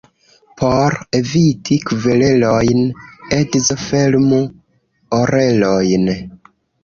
Por eviti kverelojn, edzo fermu orelojn.